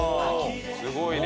すごいね！